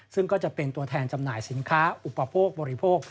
ซึ่งก็จะเป็นตัวแทนจำหน่ายสินค้าอุปโภคบริโภค